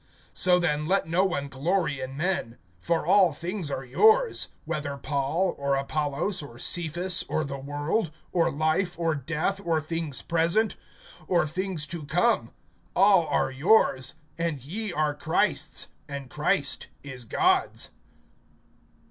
(21)So then, let no one glory in men. For all things are yours; (22)whether Paul, or Apollos, or Cephas, or the world, or life, or death, or things present, or things to come, all are yours; (23)and ye are Christ's, and Christ is God's.